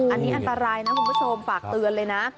อันนี้อันตรายนะคุณผู้ชมฝากเตือนเลยนะ